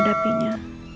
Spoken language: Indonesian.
terima kasih bu